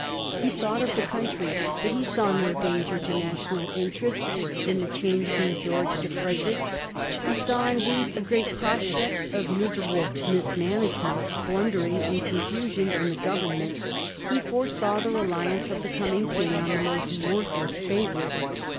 He thought of the country, but he saw no danger to national interests in the change from George to Frederick. He saw, indeed, a great prospect of miser* able mismanagement, blundering, and confusion in the Government. He foresaw the reliance of the coming King on the most worthless favorites.